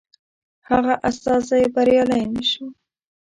هغه استازی بریالی نه شو.